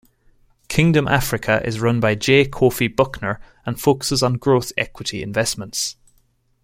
Kingdom Africa is run by J. Kofi Bucknor and focuses on growth equity investments.